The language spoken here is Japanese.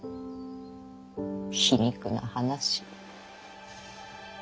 皮肉な話。